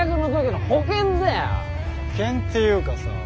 保険っていうかさ。